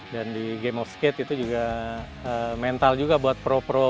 dan di game of skate itu juga mental juga buat pro pro